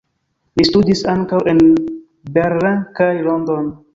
Li studis ankaŭ en Berlin kaj London.